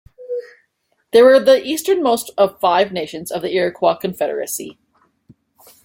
They were the easternmost of the Five Nations of the Iroquois Confederacy.